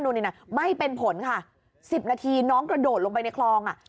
นี่นะไม่เป็นผลค่ะ๑๐นาทีน้องกระโดดลงไปในคลองอ่ะ